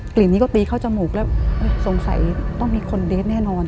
กลิ่นนี้ก็ตีเข้าจมูกแล้วสงสัยต้องมีคนเดทแน่นอน